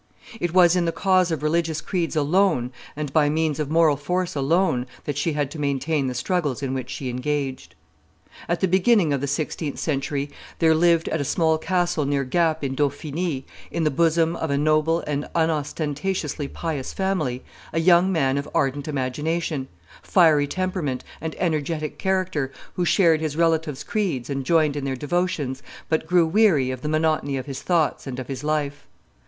It was in the cause of religious creeds alone, and by means of moral force alone, that she had to maintain the struggles in which she engaged. At the beginning of the sixteenth century, there lived, at a small castle near Gap in Dauphiny, in the bosom of a noble and unostentatiously pious family, a young man of ardent imagination, fiery temperament, and energetic character, who shared his relatives' creeds and joined in their devotions, but grew weary of the monotony of his thoughts and of his life.